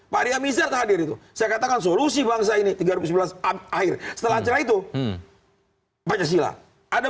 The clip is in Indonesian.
pariamizat hadir itu saya katakan solusi bangsa ini tiga ratus sembilan belas akhir setelah cerah itu banyak silah ada